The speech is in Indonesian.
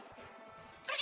pergi kamu pergi